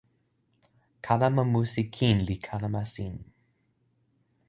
kalama musi kin li kalama sin.